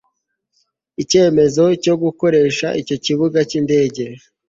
icyemezo cyo gukoresha icyo kibuga cy indege